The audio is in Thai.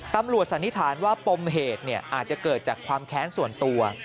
สันนิษฐานว่าปมเหตุอาจจะเกิดจากความแค้นส่วนตัว